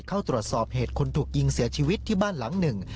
เข้าตรวจสอบเหตุคนถูกยิงเสียชีวิตที่บ้านหลังหนึ่ง